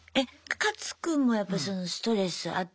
カツくんもやっぱストレスあった？